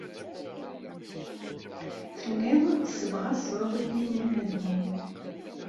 Telliḍ tessebɣaseḍ inelmaden-nnem.